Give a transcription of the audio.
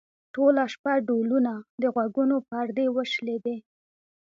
ټوله شپه ډولونه؛ د غوږونو پردې وشلېدې.